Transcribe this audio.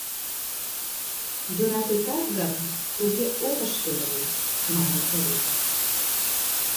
Йӧратетак гын, туге от ыште ыле, — манын Орина.